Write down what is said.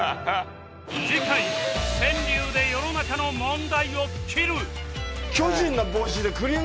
次回川柳で世の中の問題を斬る！